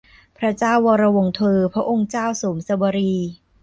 พระเจ้าวรวงศ์เธอ พระองค์เจ้าโสมสวลี